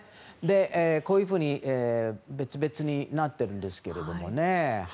こういうふうに別々になってるんですけどね。